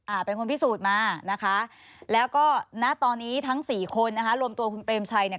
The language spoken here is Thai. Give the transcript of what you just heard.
เป็นคนพิสูจน์มานะคะแล้วก็ณตอนนี้ทั้งสี่คนนะคะรวมตัวคุณเปรมชัยเนี่ย